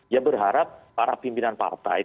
ya berharap para pimpinan partai